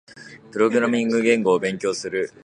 プログラミング言語を勉強する。